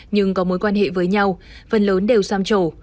nhưng có mối quan hệ với nhau phần lớn đều sam trổ